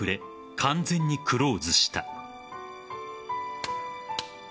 完全にクローズした。